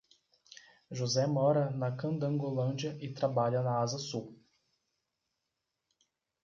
José mora na Candangolândia e trabalha na Asa Sul.